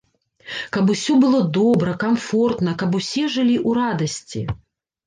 Каб усё было добра, камфортна, каб усе жылі ў радасці.